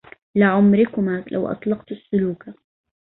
لعمركما لو أطلقت السلوك